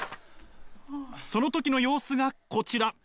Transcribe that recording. その時の様子がこちら。